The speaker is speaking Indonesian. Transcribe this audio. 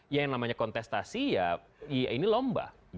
yang namanya kontestasi ya ini lomba